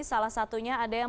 salah satunya ada yang